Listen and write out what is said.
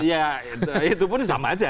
ya itu pun sama aja